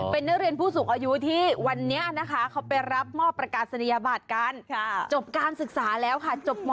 เป็นนักเรียนผู้สูงอายุที่วันนี้นะคะเขาไปรับมอบประกาศนียบัตรกันจบการศึกษาแล้วค่ะจบม๔